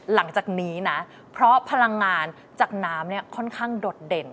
หลังจากนี้นะเพราะพลังงานจากน้ำเนี่ยค่อนข้างโดดเด่น